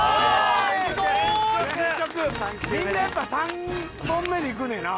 みんなやっぱ３本目でいくねんな。